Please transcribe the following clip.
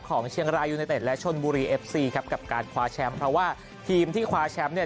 ของเชียงรายยูเนเต็ดและชนบุรีเอฟซีครับกับการคว้าแชมป์เพราะว่าทีมที่คว้าแชมป์เนี่ย